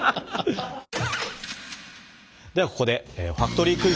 ではここでファクトリークイズ！